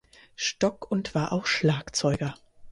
Stock und war auch Schlagzeuger.